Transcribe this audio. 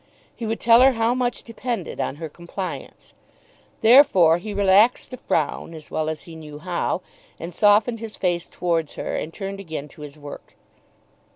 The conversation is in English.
He would tell her how much depended on her compliance. Therefore he relaxed the frown, as well as he knew how, and softened his face towards her, and turned again to his work.